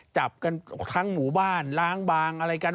จับกันทั้งหมู่บ้านล้างบางอะไรกัน